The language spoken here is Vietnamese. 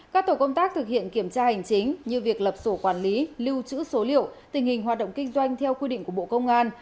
các tổ công tác thực hiện kiểm tra hành chính như việc lập sổ quản lý lưu trữ số liệu tình hình hoạt động kinh doanh theo quy định của bộ công an